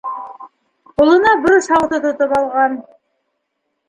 Ҡулына борос һауыты тотоп алған.